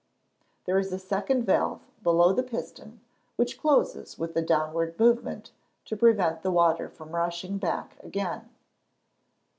There is a second valve, below the piston, which closes with the downward movement, to prevent the water from _rushing back again.